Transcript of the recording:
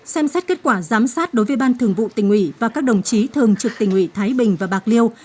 xem xét kết quả giám sát đối với ban thường vụ tình ủy và các đồng chí thường trực tình ủy thái bình và bạc liêu